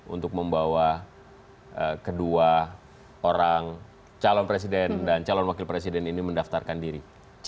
untuk membawa kedua orang calon presiden dan calon wakil presiden ini mendaftarkan diri